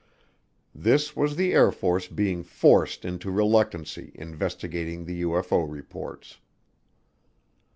This was the Air Force being "forced" into reluctantly investigating the UFO reports.